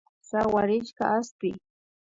Sawarishka aspi